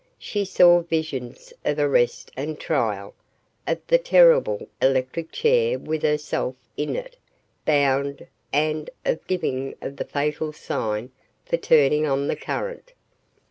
She saw visions of arrest and trial, of the terrible electric chair with herself in it, bound, and of the giving of the fatal signal for turning on the current.